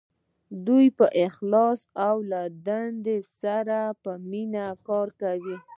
دوی په اخلاص او له دندې سره په مینه کار کوي.